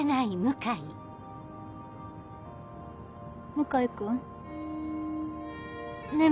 向井君ねぇ